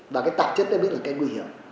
và cái tạp chất nó biết là cái nguy hiểm